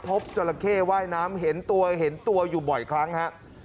พบจรเข้ว่ายน้ำเห็นตัวอยู่บ่อยครั้งนะครับ